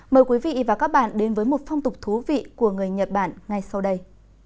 mời quý vị và các bạn đến với một phong tục thú vị của người nhật bản ngay sau đây